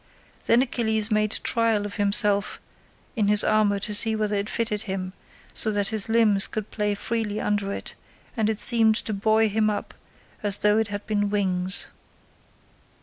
Then Achilles made trial of himself in his armour to see whether it fitted him, so that his limbs could play freely under it, and it seemed to buoy him up as though it had been wings.